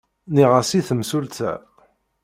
Nniɣ-as i temsulta.